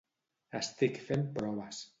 Estic fent proves